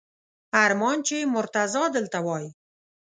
ارمان چې مرتضی دلته وای!